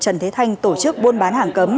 trần thế thanh tổ chức buôn bán hàng cấm